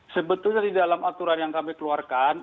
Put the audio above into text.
sebetulnya di dalam aturan yang kami keluarkan